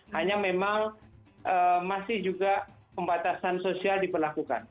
hanya memang masih juga pembatasan sosial diperlakukan